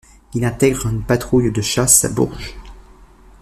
Il intègre une patrouille de chasse à Bourges.